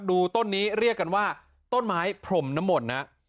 ต้นนี้เรียกกันว่าต้นไม้พรมนมลนะ